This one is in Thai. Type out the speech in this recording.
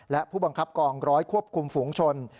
และผู้บังคับกองร้อยควบคุมฝูงชน